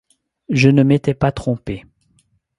Je ne m’étais pas trompé.